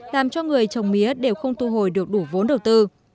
làm cho người trồng mía đều không thu hồi được đủ vốn đầu tư